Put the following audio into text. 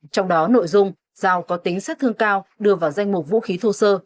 trong đó nội dung dao có tính sát thương cao đưa vào danh mục vũ khí thô sơ